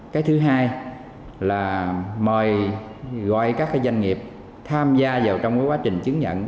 cái thứ hai là mời gọi các doanh nghiệp tham gia vào trong quá trình chứng nhận